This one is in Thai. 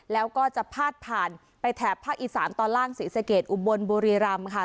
แล้วก็จะพาดผ่านไปแถบภาคอีสานตอนล่างศรีสะเกดอุบลบุรีรำค่ะ